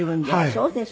そうですか。